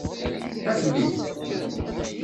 Ad t-neg.